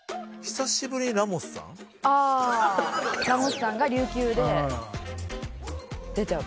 ああラモスさんが琉球で出ちゃう。